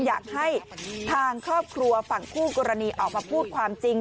อยากให้ทางครอบครัวฝั่งคู่กรณีออกมาพูดความจริง